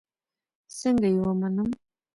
څنگه يې ومنم.